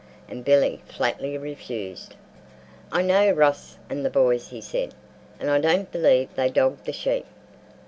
And Billy flatly refused. "I know Ross and the boys," he said, "and I don't believe they dogged the sheep.